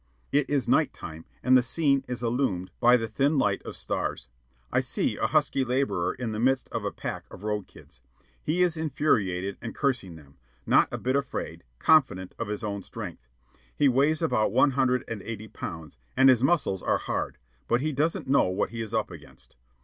It is night time and the scene is illumined by the thin light of stars. I see a husky laborer in the midst of a pack of road kids. He is infuriated and cursing them, not a bit afraid, confident of his own strength. He weighs about one hundred and eighty pounds, and his muscles are hard; but he doesn't know what he is up against.